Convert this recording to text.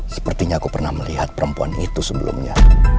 sepertinya aku pernah melihat perempuan itu sebelumnya